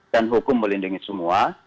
dan hukum melindungi semua